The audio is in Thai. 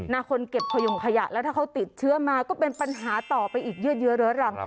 คนเก็บขยงขยะแล้วถ้าเขาติดเชื้อมาก็เป็นปัญหาต่อไปอีกยืดเยอะเรื้อรัง